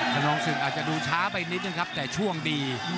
ขนองศึกอาจจะดูช้าไปนิดนึงครับแต่ช่วงดี